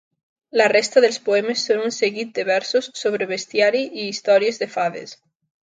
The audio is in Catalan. La resta dels poemes són un seguit de versos sobre bestiari i històries de fades.